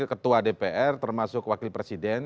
ketua dpr termasuk wakil presiden